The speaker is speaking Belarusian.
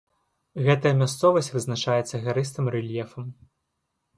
Гэтая мясцовасць вызначаецца гарыстым рэльефам.